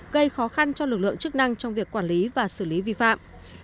gây khó khăn cho lực lượng chức năng trong việc quản lý và xử lý vi phạm